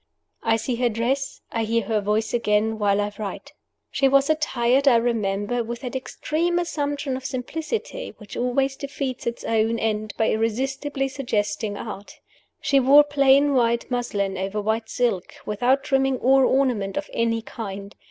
I see her dress, I hear her voice again, while I write. She was attired, I remember, with that extreme assumption of simplicity which always defeats its own end by irresistibly suggesting art. She wore plain white muslin, over white silk, without trimming or ornament of any kind.